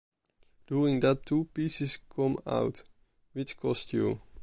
During that two pieces come out, which cost you.